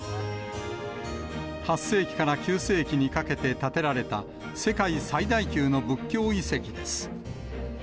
８世紀から９世紀にかけて建てられた、世界最大級の仏教遺跡です。